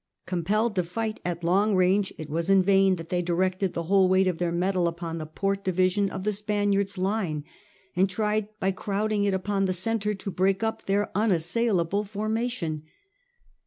Com pelled to fight at long range it was in vain that they directed the whole weight of their metal upon the port division of the Spaniards' line, and tried by crowding it upon the centre to break up their unassailable formation.